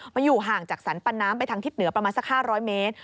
มันอยู่ห่างจากสรรปันน้ำไปทางทิศเหนือประมาณสัก๕๐๐เมตร